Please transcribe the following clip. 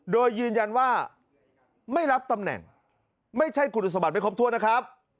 โดยยืนยันว่าไม่รับตำแหน่งไม่ใช่คุณสมบัติไม่ครบถ้วนนะครับ